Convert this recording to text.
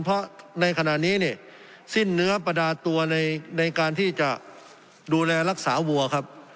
เพราะในขณะนี้เนี่ยสิ้นเนื้อประดาตัวในการที่จะดูแลรักษาวัวครับ